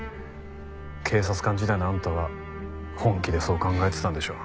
警察官時代のあんたは本気でそう考えてたんでしょう。